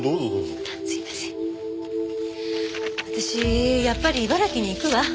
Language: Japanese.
私やっぱり茨城に行くわ。